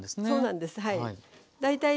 そうなんですはい。